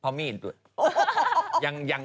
ปล่อยให้เบลล่าว่าง